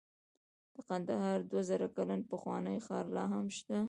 د کندهار دوه زره کلن پخوانی ښار لاهم شته